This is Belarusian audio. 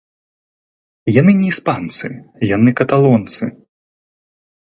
Яны не іспанцы, яны каталонцы.